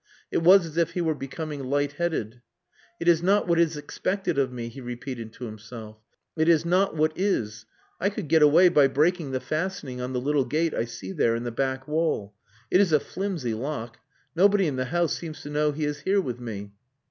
It was as if he were becoming light headed. "It is not what is expected of me," he repeated to himself. "It is not what is I could get away by breaking the fastening on the little gate I see there in the back wall. It is a flimsy lock. Nobody in the house seems to know he is here with me.